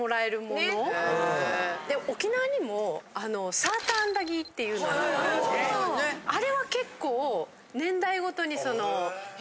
沖縄にもサーターアンダギーっていうのがあってあれは結構。